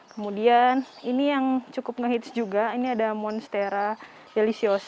kemudian ini yang cukup ngehits juga ini ada monstera yelisius